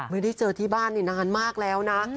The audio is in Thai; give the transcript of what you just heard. ไม่ได้เจอที่บ้านนี่นานมากแล้วนะ